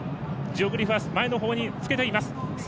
ジオグリフは前のほうにつけています。